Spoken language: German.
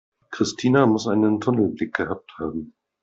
Christina muss einen Tunnelblick gehabt haben.